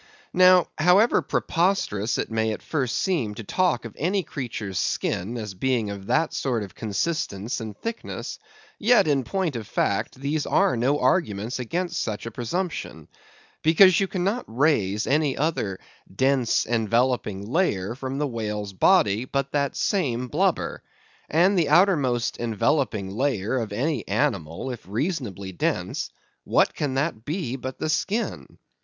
Now, however preposterous it may at first seem to talk of any creature's skin as being of that sort of consistence and thickness, yet in point of fact these are no arguments against such a presumption; because you cannot raise any other dense enveloping layer from the whale's body but that same blubber; and the outermost enveloping layer of any animal, if reasonably dense, what can that be but the skin?